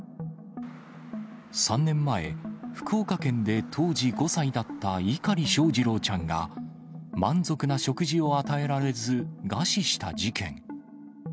３年前、福岡県で当時５歳だった碇翔士郎ちゃんが満足な食事を与えられず、餓死した事件。